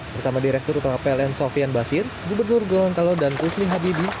bersama direktur utara pln sofian basir gubernur gorontalo dan kusli habibie